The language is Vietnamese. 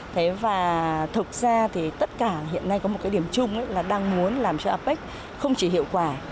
thế và thực ra thì tất cả hiện nay có một cái điểm chung là đang muốn làm cho apec không chỉ hiệu quả